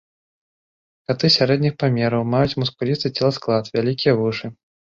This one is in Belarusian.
Каты сярэдніх памераў, маюць мускулісты целасклад, вялікія вушы.